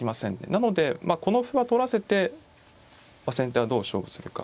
なのでこの歩は取らせて先手はどう勝負するか。